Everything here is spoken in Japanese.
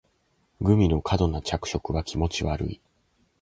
グミの過度な着色は気持ち悪い